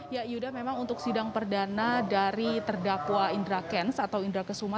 ya yuda memang untuk sidang perdana dari terdakwa indra kents atau indra kesuma